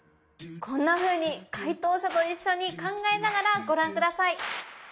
こんなふうに解答者と一緒に考えながらご覧ください。